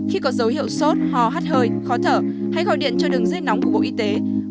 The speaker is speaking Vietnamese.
khi có dấu hiệu sốt ho hắt hơi khó thở hãy gọi điện cho đường dây nóng của bộ y tế một nghìn chín trăm linh chín nghìn chín mươi năm